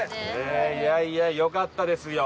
いやいやよかったですよ。